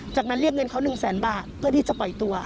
จากนั้นเรียกเงินเขา๑แสนบาทเพื่อที่จะปล่อยตัว